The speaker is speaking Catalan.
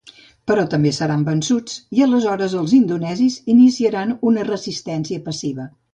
Però també seran vençuts i aleshores els indonesis iniciaran una resistència passiva.